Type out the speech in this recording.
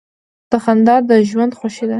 • خندا د ژوند خوښي ده.